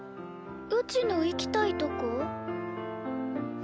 うちの行きたいとこ？